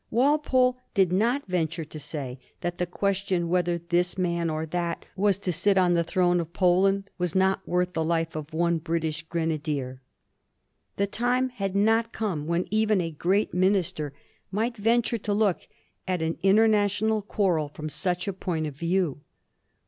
Walpole did not venture to say that the question whether this man or that was to sit on the throne of Poland was not worth the life of one British grenadier. The time had not come when even a great minister might venture 1785. THE EMPEROR'S DENUNCIATION OF WALPOLK 25 to look at an international quarrel from such a point of view.